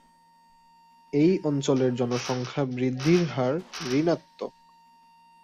এই অঞ্চলের জনসংখ্যা বৃদ্ধির হার ঋণাত্মক।